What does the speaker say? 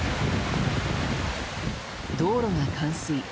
道路が冠水。